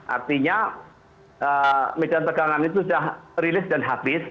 artinya medan tegangan itu sudah rilis dan habis